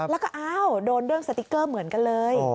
แล้วก็อ้าวโดนเรื่องสติ๊กเกอร์เหมือนกันเลย